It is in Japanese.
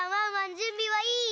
じゅんびはいい？